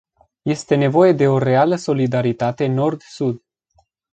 Este nevoie de o reală solidaritate nord-sud.